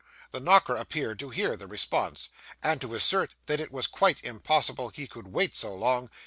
The knocker appeared to hear the response, and to assert that it was quite impossible he could wait so long.